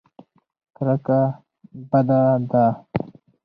کرکه بده ده.